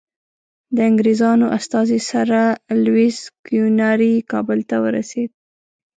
د انګریزانو استازی سر لویس کیوناري کابل ته ورسېد.